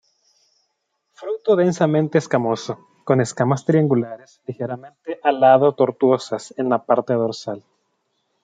Fruto densamente escamoso, con escamas triangulares, ligeramente alado-tortuosas en la parte dorsal.